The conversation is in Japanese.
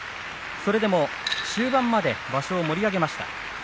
それでも終盤まで場所を盛り上げました。